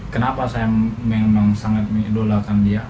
kenapa saya memang sangat mengidolakan dia